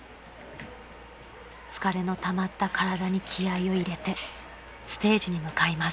［疲れのたまった体に気合を入れてステージに向かいます］